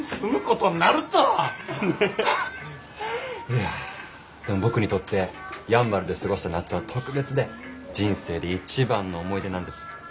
いやでも僕にとってやんばるで過ごした夏は特別で人生で一番の思い出なんです。